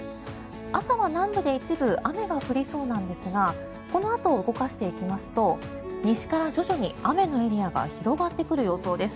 朝は南部で一部、雨が降りそうなんですがこのあと動かしていきますと西から徐々に雨のエリアが広がってくる予想です。